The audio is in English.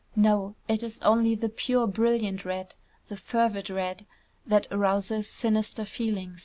No: it is only the pure brilliant red, the fervid red, that arouses sinister feeling.